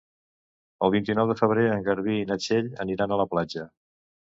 El vint-i-nou de febrer en Garbí i na Txell aniran a la platja.